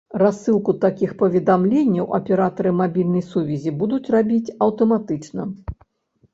Рассылку такіх паведамленняў аператары мабільнай сувязі будуць рабіць аўтаматычна.